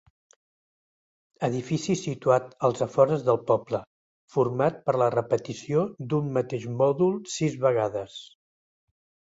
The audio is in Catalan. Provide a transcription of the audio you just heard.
Edifici situat als afores del poble, format per la repetició d'un mateix mòdul sis vegades.